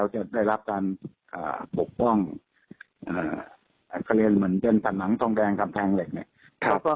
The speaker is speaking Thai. เหมือนเป็นผนังทองแดงกำแพงเหล็ก